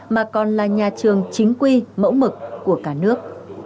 mà còn là nhà trường chính quy mẫu mực của cả nước